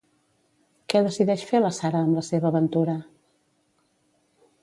Què decideix fer la Sarah amb la seva aventura?